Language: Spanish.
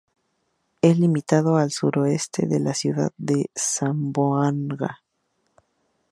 Es limitado al sudoeste Ciudad de Zamboanga.